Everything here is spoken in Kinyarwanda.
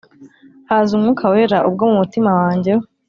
haza umwuka wera ubwo mumutima wanjye